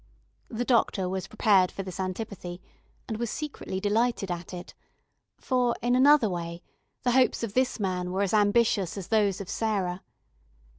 The doctor was prepared for this antipathy, and was secretly delighted at it, for, in another way, the hopes of this man were as ambitious as those of Sarah.